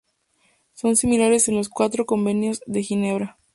Son similares en los cuatro Convenios de Ginebra.